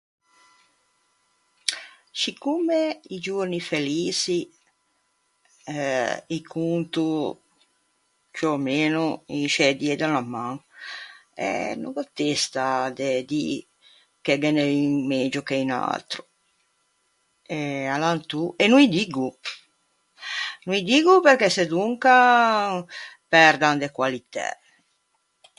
Scicomme i giorni feliçi, euh, î conto ciù ò meno in scê die de unna man, eh, no gh'ò testa de dî che ghe n'é un megio che un atro. Eh alantô... e no î diggo! No î diggo perché sedonca perdan de qualitæ.